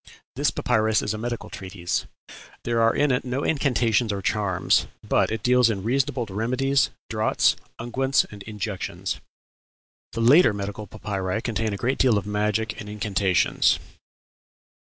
This papyrus is a medical treatise; there are in it no incantations or charms; but it deals in reasonable remedies, draughts, unguents and injections. The later medical papyri contain a great deal of magic and incantations.